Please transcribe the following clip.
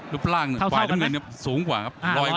รูปร่างฝ่ายน้ำเงินสูงกว่าครับ